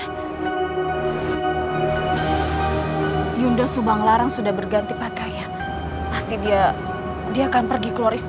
hai yunda subang larang sudah berganti pakaian pasti dia dia akan pergi keluar istana